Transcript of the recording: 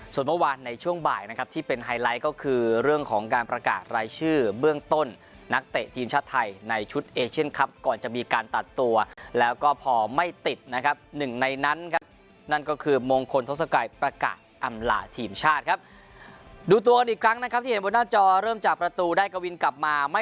ส่วนเมื่อวานในช่วงบ่ายนะครับที่เป็นไฮไลท์ก็คือเรื่องของการประกาศรายชื่อเบื้องต้นนักเตะทีมชาติไทยในชุดเอเชียนครับก่อนจะมีการตัดตัวแล้วก็พอไม่ติดนะครับหนึ่งในนั้นครับนั่นก็คือมงคลทศกัยประกาศอำลาทีมชาติครับดูตัวกันอีกครั้งนะครับที่เห็นบนหน้าจอเริ่มจากประตูได้กวินกลับมาไม่